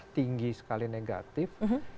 tinggi sekali negatif